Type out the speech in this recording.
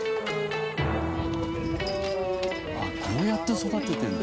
あっこうやって育ててるんだ。